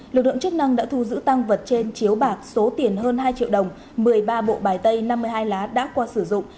lực lượng chức năng đã thu giữ tăng vật trên chiếu bạc số tiền hơn hai triệu đồng một mươi ba bộ bài tay năm mươi hai lá đã qua sử dụng